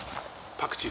パクチー。